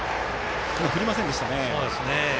今、振りませんでしたね。